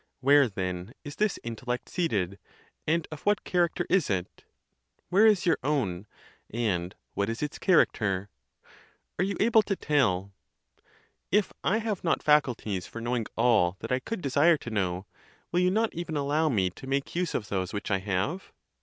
Where, then, is this intellect seated, and of what character is it? where is your own, and what is its character? Are you able to tell? If I have not faculties for knowing all that I could desire to know, will you not even allow me to make use of those which I have?